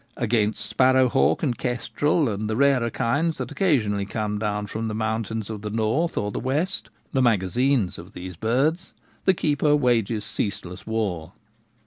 Against sparrow hawk and kestrel, and the rarer kinds that occasionally come down from the mountains of the north or the west — the magazines of these birds — the keeper wages ceaseless war.